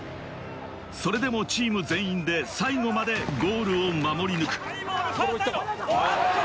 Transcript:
それでもチーム全員で最後までゴールを守り抜く。